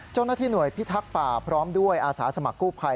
เจ้าหน้าที่หน่วยพิทักษ์ป่าพร้อมด้วยอาสาสมัครกู้ภัย